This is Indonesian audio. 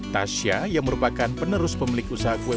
tasya yang merupakan penerus pemilik usaha kue